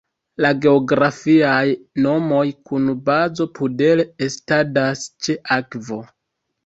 La geografiaj nomoj kun bazo Pudel estadas ĉe akvo.